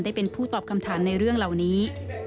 ได้เป็นผู้ตอบคำถามในเรื่องเหล่านี้